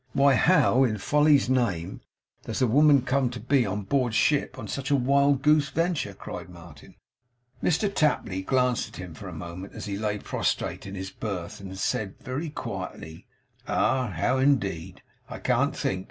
'Why, how, in Folly's name, does the woman come to be on board ship on such a wild goose venture!' cried Martin. Mr Tapley glanced at him for a moment as he lay prostrate in his berth, and then said, very quietly: 'Ah! How indeed! I can't think!